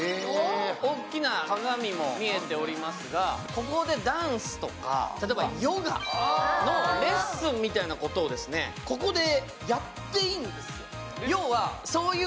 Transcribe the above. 大きな鏡も見えておりますがここでダンスとか、例えばヨガのレッスンみたいなことをここでやっていいんです。